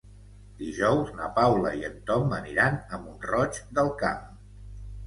Dijous na Paula i en Tom aniran a Mont-roig del Camp.